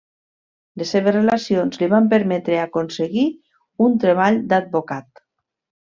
Les seves relacions li van permetre aconseguir un treball d'advocat.